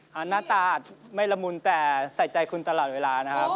หน้าตาอาจไม่ละมุนแต่ใส่ใจคุณตลอดเวลานะครับ